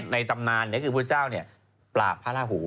ในตำนานนี่คือพระพุทธเจ้าเนี่ยปราบพระราหู